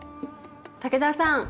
武田さん